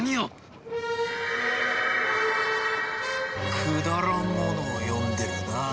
くだらんものを読んでるな。